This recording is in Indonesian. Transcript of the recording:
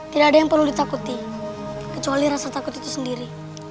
tidak ada yang perlu ditakuti kecuali rasa takut itu sendiri